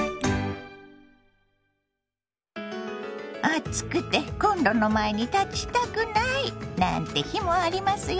「暑くてコンロの前に立ちたくない」なんて日もありますよね。